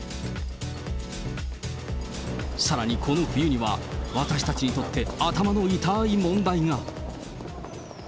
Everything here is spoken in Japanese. さらにこの冬には、私たちにとって頭の痛い問題が。